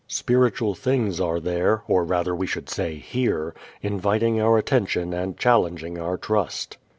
Spiritual things are there (or rather we should say here) inviting our attention and challenging our trust.